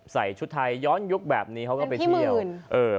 ใส่ชุดไทยย้อนยุคแบบนี้เขาก็ไปเที่ยวเออ